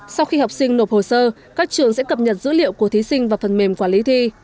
sau khi học sinh nộp hồ sơ các trường sẽ cập nhật dữ liệu của thí sinh vào phần mềm quản lý thi